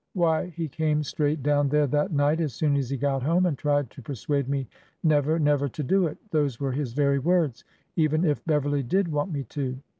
Why, he came straight down 3o6 ORDER NO. 11 there that night as soon as he got home, and tried to per« suade me never, never to do it (those were his very words), even if Beverly did want me to.